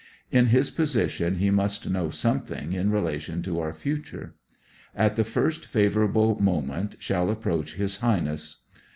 In his position he must know something in relation to our future. At the first favorable moment shall approach his highness.